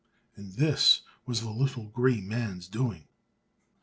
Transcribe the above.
And this was the little grey man's doing.